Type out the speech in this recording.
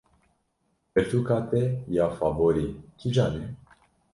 Pirtûka te ya favorî kîjan e?